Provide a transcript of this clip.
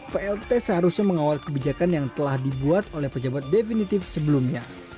plt seharusnya mengawal kebijakan yang telah dibuat oleh pejabat definitif sebelumnya